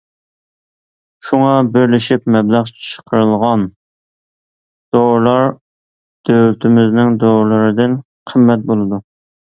شۇڭا، بىرلىشىپ مەبلەغ چىقىرىلغان دورىلار دۆلىتىمىزنىڭ دورىلىرىدىن قىممەت بولىدۇ.